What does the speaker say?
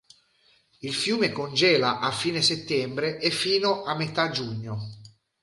Il fiume congela a fine settembre e fino a metà giugno.